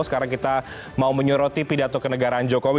sekarang kita mau menyoroti pidato kenegaraan jokowi